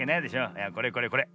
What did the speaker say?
いやこれこれこれ。